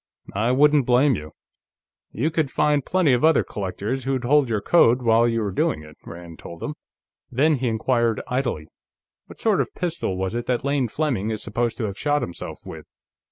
"I wouldn't blame you. You could find plenty of other collectors who'd hold your coat while you were doing it," Rand told him. Then he inquired, idly: "What sort of a pistol was it that Lane Fleming is supposed to have shot himself with?"